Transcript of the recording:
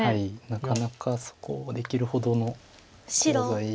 なかなかそこできるほどのコウ材が。